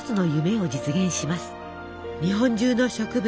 日本中の植物